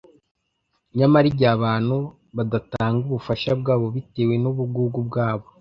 Nyamara igihe abantu badatanga ubufasha bwabo bitewe n’ubugugu bwabo,